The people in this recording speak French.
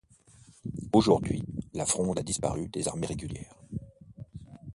Aujourd’hui, la fronde a disparu des armées régulières.